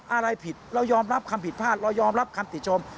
อะไรผิดเรายอมรับความผิดพลาดเรายอมรับคำติชม